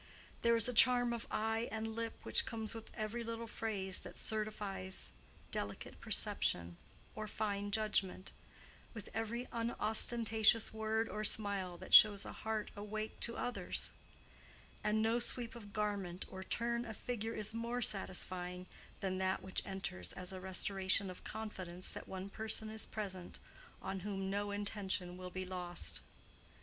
There is a charm of eye and lip which comes with every little phrase that certifies delicate perception or fine judgment, with every unostentatious word or smile that shows a heart awake to others; and no sweep of garment or turn of figure is more satisfying than that which enters as a restoration of confidence that one person is present on whom no intention will be lost.